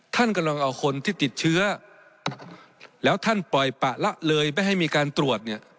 ท่านกำลังเอาคนที่ติดเชื้อแล้วท่านปล่อยปะละเลยไม่ให้มีการตรวจเนี่ย